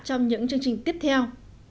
trong những chương trình tiếp theo